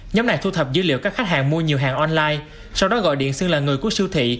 nhóm này thu thập dữ liệu các khách hàng mua nhiều hàng online sau đó gọi điện xưng là người của siêu thị